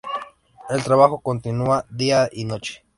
El trabajo continuaba día y noche.